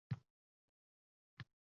Sening qilgan ishing davom etmoqda